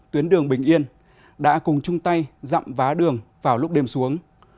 tuyến đường bình yên đã cùng chung tay dặm vá đường vào lúc đêm xuống